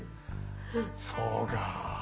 そうか。